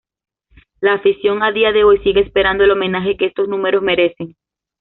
La afición a dia de hoy sigue esperando el homenaje que estos números merecen.